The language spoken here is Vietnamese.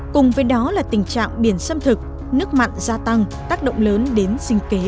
cùng với đó là tình trạng biển xâm thực nước mặn gia tăng tác động lớn đến sinh kế